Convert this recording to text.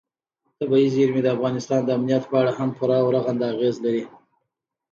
طبیعي زیرمې د افغانستان د امنیت په اړه هم پوره او رغنده اغېز لري.